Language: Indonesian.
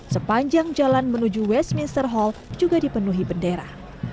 sepanjang jalan menuju westminster hall juga dipenuhi bendera